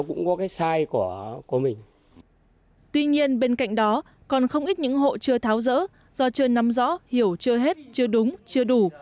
tuy nhiên bên cạnh đó còn không ít những hộ chưa tháo rỡ do chưa nắm rõ hiểu chưa hết chưa đúng chưa đủ